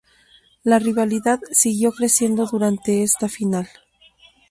La rivalidad siguió creciendo durante esta Final.